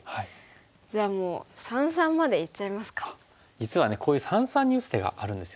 実はねこういう三々に打つ手があるんですよね。